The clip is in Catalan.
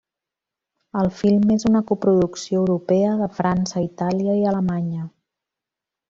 El film és una coproducció europea de França, Itàlia i Alemanya.